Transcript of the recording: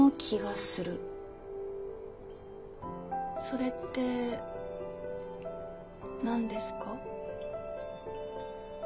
それって何ですか？